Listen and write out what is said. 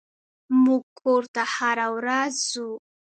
موږ کور ته هره ورځ ځو.